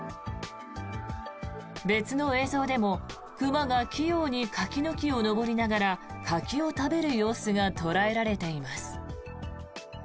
別の映像でも熊が器用に柿の木を登りながら柿を食べる様子が捉えられています。